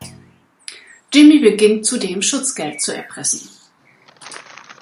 Jimmy beginnt zudem Schutzgeld zu erpressen.